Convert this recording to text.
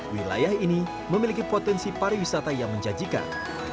wilayah ini memiliki potensi pariwisata yang menjanjikan